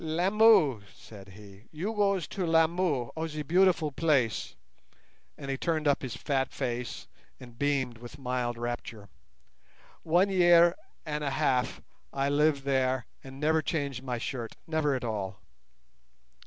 "Lamu," said he, "you goes to Lamu—oh ze beautiful place!" and he turned up his fat face and beamed with mild rapture. "One year and a half I live there and never change my shirt—never at all."